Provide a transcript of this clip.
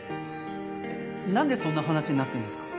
なんでそんな話になってるんですか？